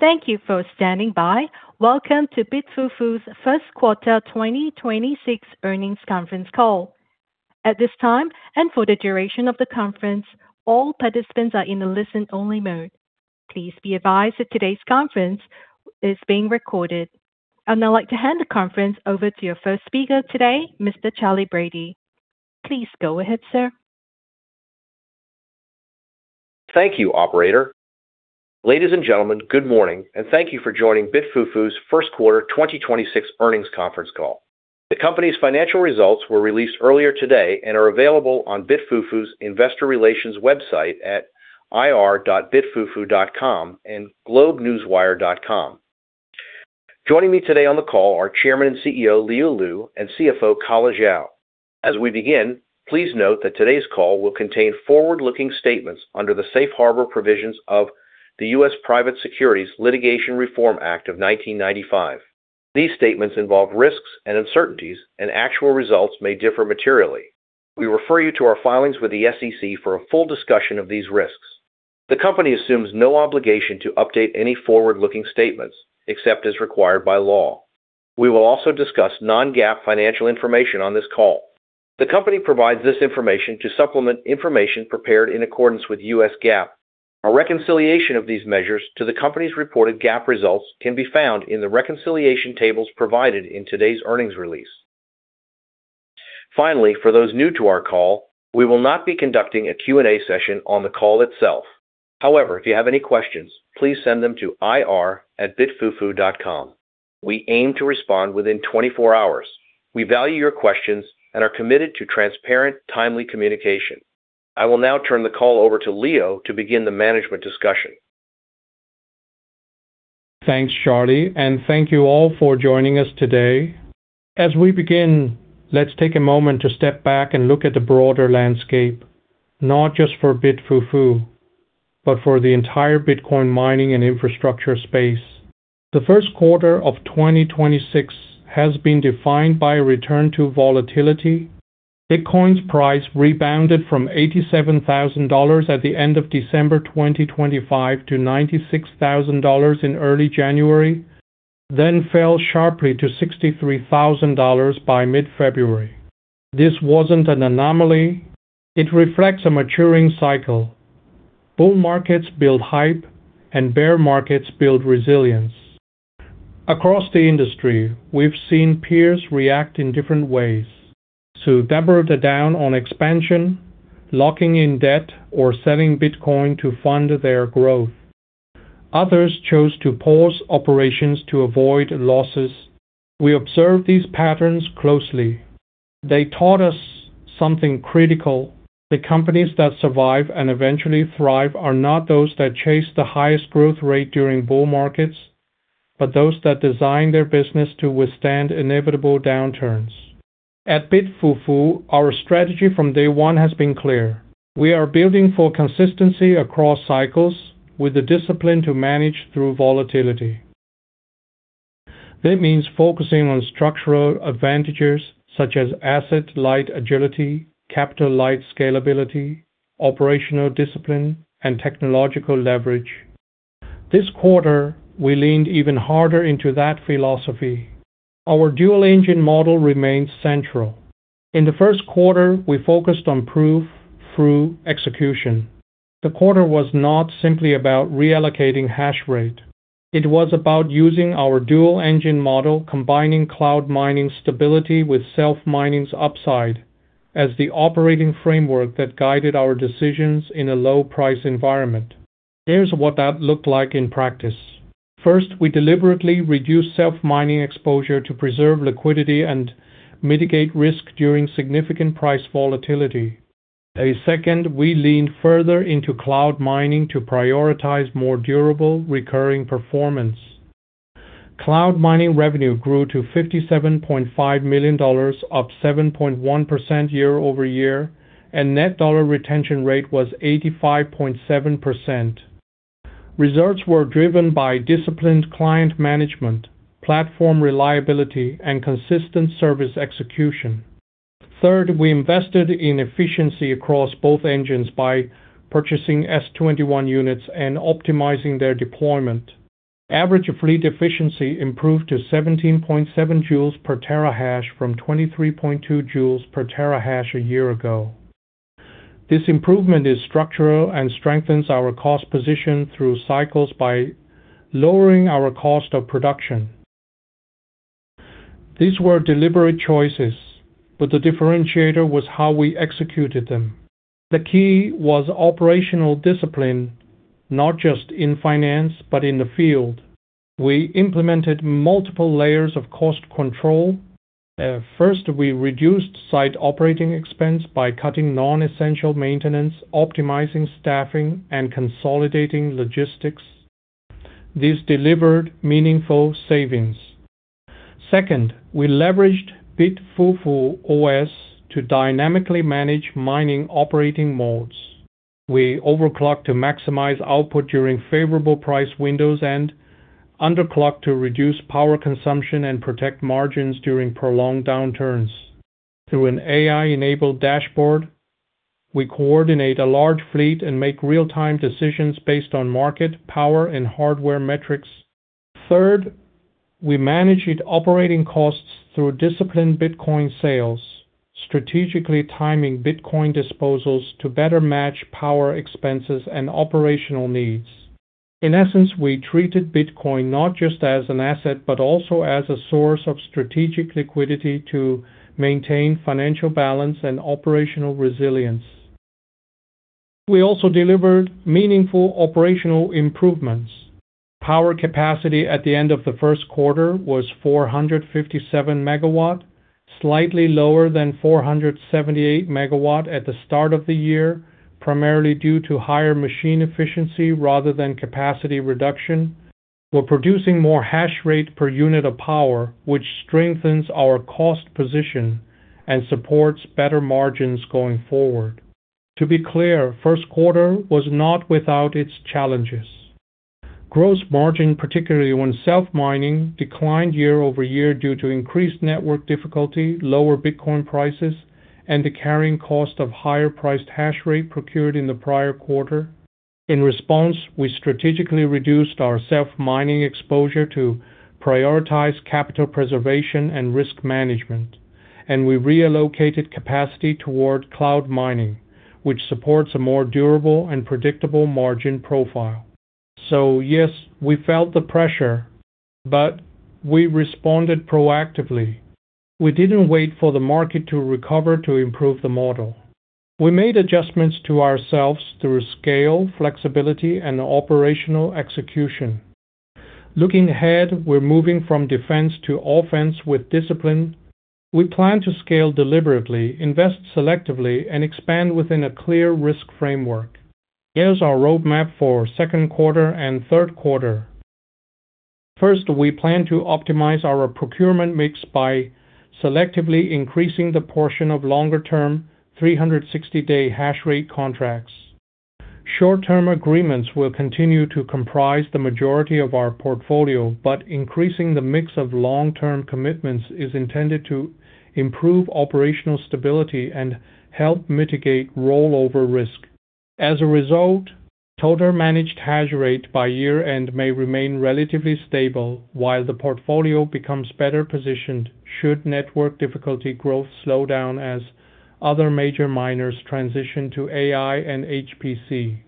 Thank you for standing by. Welcome to BitFuFu's first quarter 2026 earnings conference call. At this time, and for the duration of the conference, all participants are in a listen-only mode. Please be advised that today's conference is being recorded. I'd now like to hand the conference over to your first speaker today, Mr. Charley Brady. Please go ahead, sir. Thank you, operator. Ladies and gentlemen, good morning, and thank you for joining BitFuFu's first quarter 2026 earnings conference call. The company's financial results were released earlier today and are available on BitFuFu's investor relations website at ir.bitfufu.com and globenewswire.com. Joining me today on the call are Chairman and CEO, Leo Lu, and CFO, Calla Zhao. As we begin, please note that today's call will contain forward-looking statements under the safe harbor provisions of the U.S. Private Securities Litigation Reform Act of 1995. These statements involve risks and uncertainties. Actual results may differ materially. We refer you to our filings with the SEC for a full discussion of these risks. The company assumes no obligation to update any forward-looking statements, except as required by law. We will also discuss non-GAAP financial information on this call. The company provides this information to supplement information prepared in accordance with U.S. GAAP. A reconciliation of these measures to the company's reported GAAP results can be found in the reconciliation tables provided in today's earnings release. Finally, for those new to our call, we will not be conducting a Q&A session on the call itself. However, if you have any questions, please send them to ir@bitfufu.com. We aim to respond within 24 hours. We value your questions and are committed to transparent, timely communication. I will now turn the call over to Leo to begin the management discussion. Thanks, Charley, and thank you all for joining us today. As we begin, let's take a moment to step back and look at the broader landscape, not just for BitFuFu, but for the entire Bitcoin mining and infrastructure space. The first quarter of 2026 has been defined by a return to volatility. Bitcoin's price rebounded from $87,000 at the end of December 2025 to $96,000 in early January, then fell sharply to $63,000 by mid-February. This wasn't an anomaly. It reflects a maturing cycle. Bull markets build hype, and bear markets build resilience. Across the industry, we've seen peers react in different ways. Some doubled down on expansion, locking in debt or selling Bitcoin to fund their growth. Others chose to pause operations to avoid losses. We observed these patterns closely. They taught us something critical. The companies that survive and eventually thrive are not those that chase the highest growth rate during bull markets, but those that design their business to withstand inevitable downturns. At BitFuFu, our strategy from day one has been clear. We are building for consistency across cycles with the discipline to manage through volatility. That means focusing on structural advantages such as asset-light agility, capital-light scalability, operational discipline, and technological leverage. This quarter, we leaned even harder into that philosophy. Our dual-engine model remains central. In the first quarter, we focused on proof through execution. The quarter was not simply about reallocating hash rate. It was about using our dual-engine model, combining cloud mining stability with self-mining's upside as the operating framework that guided our decisions in a low-price environment. Here's what that looked like in practice. First, we deliberately reduced self-mining exposure to preserve liquidity and mitigate risk during significant price volatility. Second, we leaned further into cloud mining to prioritize more durable recurring performance. Cloud mining revenue grew to $57.5 million, up 7.1% year-over-year, and net dollar retention rate was 85.7%. Results were driven by disciplined client management, platform reliability, and consistent service execution. Third, we invested in efficiency across both engines by purchasing S21 units and optimizing their deployment. Average fleet efficiency improved to 17.7 joules per terahash from 23.2 joules per terahash a year ago. This improvement is structural and strengthens our cost position through cycles by lowering our cost of production. These were deliberate choices, but the differentiator was how we executed them. The key was operational discipline, not just in finance, but in the field. We implemented multiple layers of cost control. First, we reduced site operating expense by cutting non-essential maintenance, optimizing staffing, and consolidating logistics. These delivered meaningful savings. Second, we leveraged BitFuFuOS to dynamically manage mining operating modes. We overclock to maximize output during favorable price windows and underclock to reduce power consumption and protect margins during prolonged downturns. Through an AI-enabled dashboard, we coordinate a large fleet and make real-time decisions based on market, power, and hardware metrics. Third, we managed operating costs through disciplined Bitcoin sales, strategically timing Bitcoin disposals to better match power expenses and operational needs. In essence, we treated Bitcoin not just as an asset, but also as a source of strategic liquidity to maintain financial balance and operational resilience. We also delivered meaningful operational improvements. Power capacity at the end of the first quarter was 457 MW, slightly lower than 478 MW at the start of the year, primarily due to higher machine efficiency rather than capacity reduction. We're producing more hash rate per unit of power, which strengthens our cost position and supports better margins going forward. To be clear, first quarter was not without its challenges. Gross margin, particularly on self-mining, declined year-over-year due to increased network difficulty, lower Bitcoin prices, and the carrying cost of higher-priced hash rate procured in the prior quarter. In response, we strategically reduced our self-mining exposure to prioritize capital preservation and risk management, and we reallocated capacity toward cloud mining, which supports a more durable and predictable margin profile. Yes, we felt the pressure, but we responded proactively. We didn't wait for the market to recover to improve the model. We made adjustments to ourselves through scale, flexibility, and operational execution. Looking ahead, we're moving from defense to offense with discipline. We plan to scale deliberately, invest selectively, and expand within a clear risk framework. Here's our roadmap for second quarter and third quarter. First, we plan to optimize our procurement mix by selectively increasing the portion of longer-term 360-day hash rate contracts. Short-term agreements will continue to comprise the majority of our portfolio, but increasing the mix of long-term commitments is intended to improve operational stability and help mitigate rollover risk. As a result, total managed hash rate by year end may remain relatively stable while the portfolio becomes better positioned should network difficulty growth slow down as other major miners transition to AI and HPC.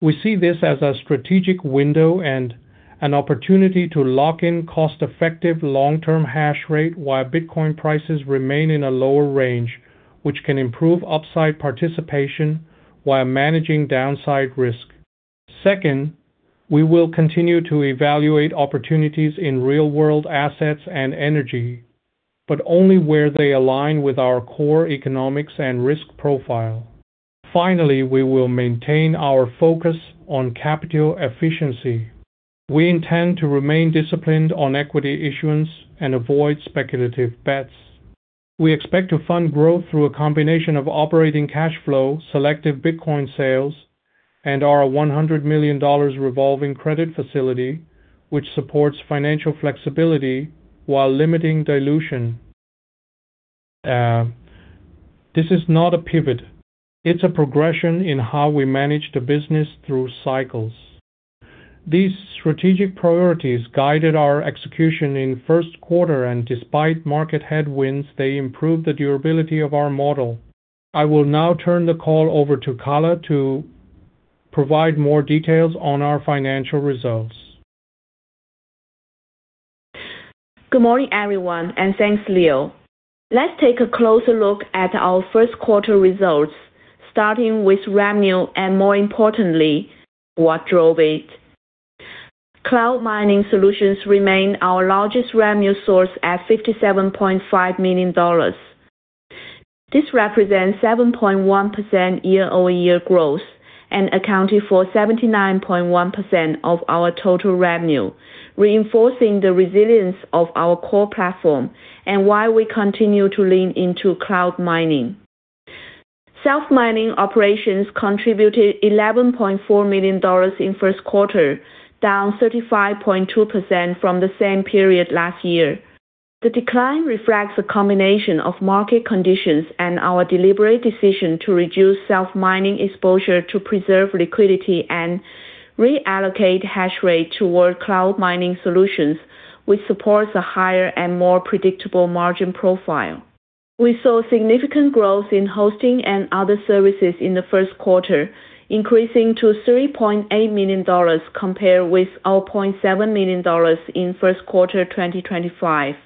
We see this as a strategic window and an opportunity to lock in cost-effective long-term hash rate while Bitcoin prices remain in a lower range, which can improve upside participation while managing downside risk. Second, we will continue to evaluate opportunities in real-world assets and energy, but only where they align with our core economics and risk profile. Finally, we will maintain our focus on capital efficiency. We intend to remain disciplined on equity issuance and avoid speculative bets. We expect to fund growth through a combination of operating cash flow, selective Bitcoin sales, and our $100 million revolving credit facility, which supports financial flexibility while limiting dilution. This is not a pivot. It's a progression in how we manage the business through cycles. These strategic priorities guided our execution in first quarter, and despite market headwinds, they improved the durability of our model. I will now turn the call over to Calla to provide more details on our financial results. Good morning, everyone, thanks, Leo. Let's take a closer look at our first quarter results, starting with revenue, and more importantly, what drove it. Cloud mining solutions remain our largest revenue source at $57.5 million. This represents 7.1% year-over-year growth and accounted for 79.1% of our total revenue, reinforcing the resilience of our core platform and why we continue to lean into cloud mining. Self-mining operations contributed $11.4 million in first quarter, down 35.2% from the same period last year. The decline reflects a combination of market conditions and our deliberate decision to reduce self-mining exposure to preserve liquidity and reallocate hash rate toward cloud mining solutions, which supports a higher and more predictable margin profile. We saw significant growth in hosting and other services in the first quarter, increasing to $3.8 million compared with $0.7 million in first quarter 2025.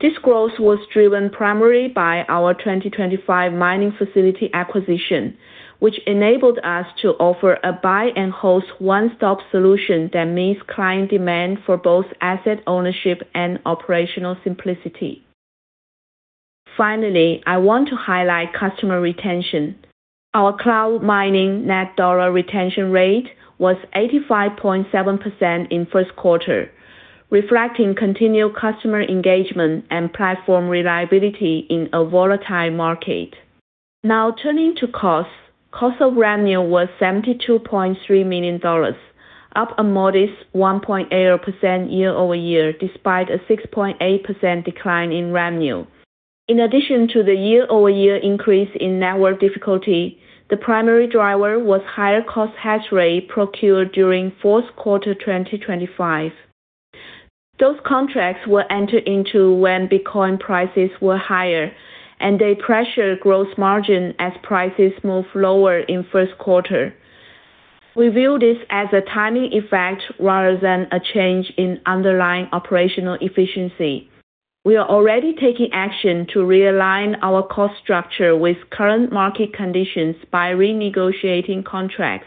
This growth was driven primarily by our 2025 mining facility acquisition, which enabled us to offer a buy and host one-stop solution that meets client demand for both asset ownership and operational simplicity. Finally, I want to highlight customer retention. Our cloud mining net dollar retention rate was 85.7% in first quarter, reflecting continued customer engagement and platform reliability in a volatile market. Turning to costs. Cost of revenue was $72.3 million. Up a modest 1.8% year-over-year despite a 6.8% decline in revenue. In addition to the year-over-year increase in network difficulty, the primary driver was higher cost hash rate procured during fourth quarter 2025. Those contracts were entered into when Bitcoin prices were higher, and they pressured gross margin as prices moved lower in first quarter. We view this as a timing effect rather than a change in underlying operational efficiency. We are already taking action to realign our cost structure with current market conditions by renegotiating contracts,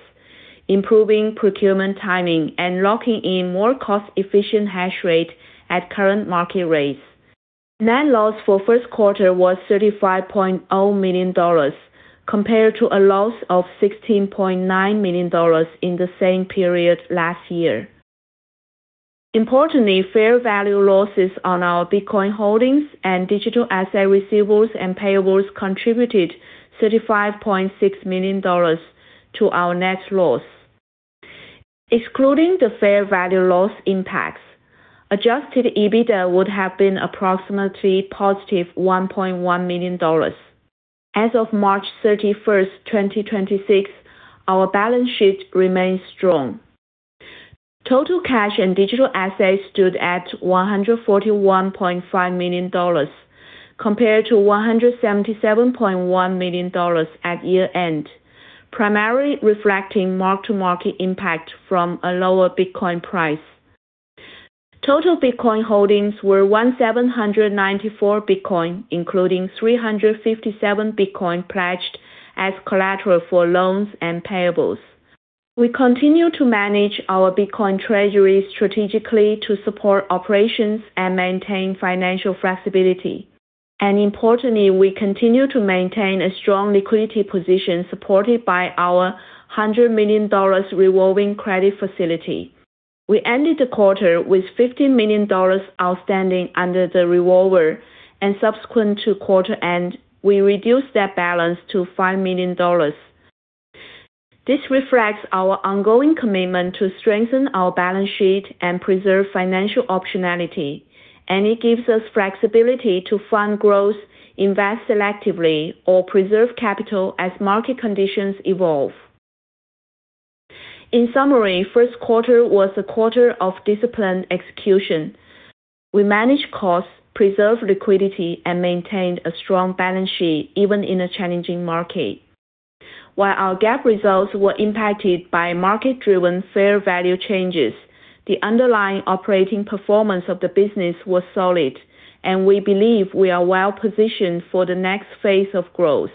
improving procurement timing, and locking in more cost-efficient hash rate at current market rates. Net loss for first quarter was $35.0 million, compared to a loss of $16.9 million in the same period last year. Importantly, fair value losses on our Bitcoin holdings and digital asset receivables and payables contributed $35.6 million to our net loss. Excluding the fair value loss impacts, adjusted EBITDA would have been approximately $+1.1 million. As of March 31st, 2026, our balance sheet remains strong. Total cash and digital assets stood at $141.5 million, compared to $177.1 million at year-end, primarily reflecting mark-to-market impact from a lower Bitcoin price. Total Bitcoin holdings were 1,794 Bitcoin, including 357 Bitcoin pledged as collateral for loans and payables. We continue to manage our Bitcoin treasury strategically to support operations and maintain financial flexibility. Importantly, we continue to maintain a strong liquidity position supported by our $100 million revolving credit facility. We ended the quarter with $50 million outstanding under the revolver. Subsequent to quarter end, we reduced that balance to $5 million. This reflects our ongoing commitment to strengthen our balance sheet and preserve financial optionality. It gives us flexibility to fund growth, invest selectively, or preserve capital as market conditions evolve. In summary, first quarter was a quarter of disciplined execution. We managed costs, preserved liquidity, and maintained a strong balance sheet even in a challenging market. While our GAAP results were impacted by market-driven fair value changes, the underlying operating performance of the business was solid. We believe we are well-positioned for the next phase of growth.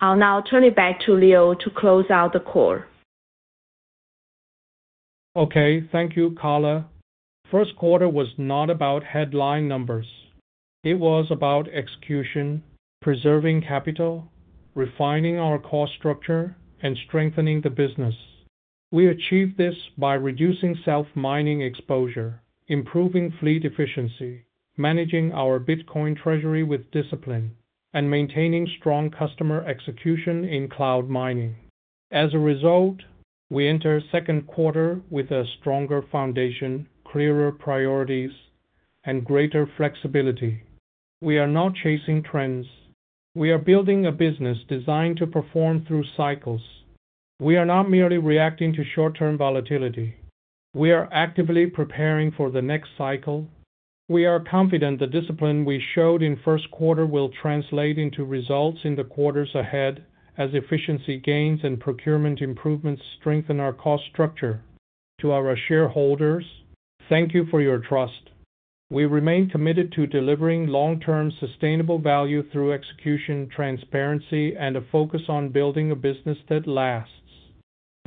I'll now turn it back to Leo to close out the call. Okay. Thank you, Calla. First quarter was not about headline numbers. It was about execution, preserving capital, refining our cost structure, and strengthening the business. We achieved this by reducing self-mining exposure, improving fleet efficiency, managing our Bitcoin treasury with discipline, and maintaining strong customer execution in cloud mining. We enter second quarter with a stronger foundation, clearer priorities, and greater flexibility. We are not chasing trends. We are building a business designed to perform through cycles. We are not merely reacting to short-term volatility. We are actively preparing for the next cycle. We are confident the discipline we showed in first quarter will translate into results in the quarters ahead as efficiency gains and procurement improvements strengthen our cost structure. To our shareholders, thank you for your trust. We remain committed to delivering long-term sustainable value through execution, transparency, and a focus on building a business that lasts.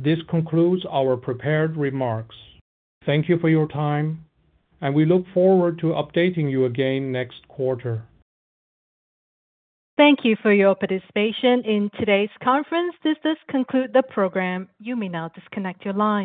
This concludes our prepared remarks. Thank you for your time, and we look forward to updating you again next quarter. Thank you for your participation in today's conference. This does conclude the program. You may now disconnect your line.